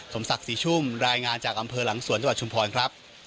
สมศักดิ์ศรีชุ่มรายงานจากอำเภอหลังสวนจังหวัดชุมพรครับ